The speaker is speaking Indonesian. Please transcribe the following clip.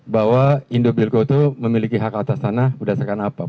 bahwa indobilco itu memiliki hak atas tanah berdasarkan apa